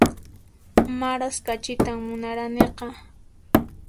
Maras kachitan munaraniqa